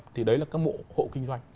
thì đấy là các mộ hộ kinh doanh